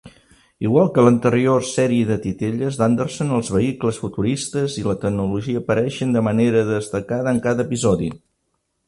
Igual que l'anterior sèrie de titelles d'Anderson, els vehicles futuristes i la tecnologia apareixen de manera destacada en cada episodi.